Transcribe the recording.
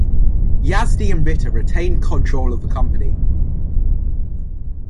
Yazdi and Ritter retained control of the company.